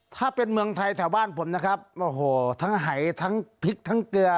ถ้าเป็นเมืองไทยแถวบ้านผมนะครับโอ้โหทั้งหายทั้งพริกทั้งเกลือ